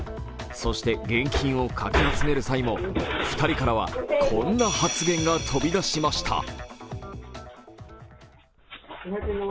そして、現金をかき集める際も２人からはこんな発言が飛び出しました。